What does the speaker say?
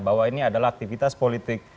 bahwa ini adalah aktivitas politik